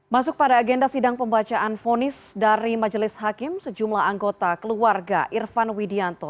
masuk pada agenda sidang pembacaan fonis dari majelis hakim sejumlah anggota keluarga irfan widianto